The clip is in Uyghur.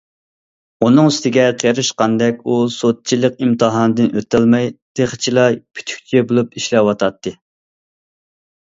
ئۇنىڭ ئۈستىگە قېرىشقاندەك ئۇ سوتچىلىق ئىمتىھاندىن ئۆتەلمەي تېخىچىلا پۈتۈكچى بولۇپ ئىشلەۋاتاتتى.